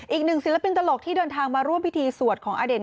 อีกหนึ่งศิลปินตลกที่เดินทางมาร่วมพิธีสวดของอเด่น